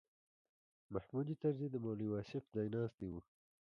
محمود طرزي د مولوي واصف ځایناستی و.